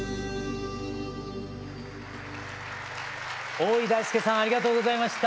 おおい大輔さんありがとうございました。